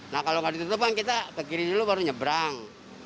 nah kalau nggak ditutup kan kita ke kiri dulu baru nyebrang